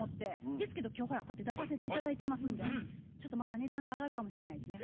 ですけど今日ほらこうやって出させて頂いてますんでちょっとまた値段が上がるかもしれないですね。